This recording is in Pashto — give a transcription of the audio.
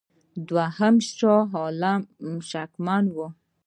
دوهم شاه عالم شکمن وو.